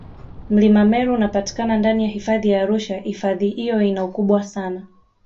Mlima Meru unapatikana ndani ya Hifadhi ya Arusha ifadhi hiyo ina ukubwa sana